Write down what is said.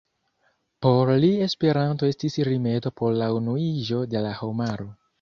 Por li Esperanto estis rimedo por la unuiĝo de la homaro.